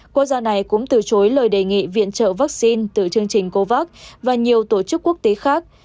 quốc gia này cũng từ chối lời đề nghị viện trợ vaccine từ chương trình covax và nhiều tổ chức quốc tế khác